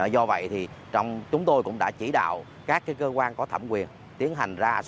do vậy thì trong những vấn đề này chúng muốn kêu gọi các tổ chức quốc tế các tổ chức nhân quyền là lên tiếng để gây sức ép với chính phủ việt nam